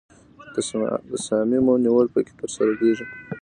د تصامیمو نیول پکې ترسره کیږي.